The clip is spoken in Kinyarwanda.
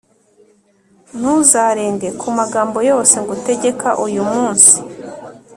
ntuzarenge ku magambo yose ngutegeka uyu munsi,